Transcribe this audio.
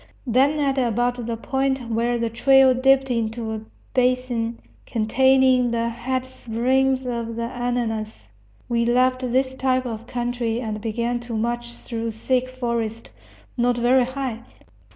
Then, at about the point where the trail dipped into a basin containing the head springs of the Ananas, we left this type of country and began to march through thick forest, not very high.